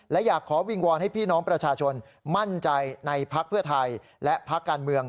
และอยากขอวิงวอนให้พี่น้องประชาชนมั่นใจในพักเพื่อไทยและพักการเมือง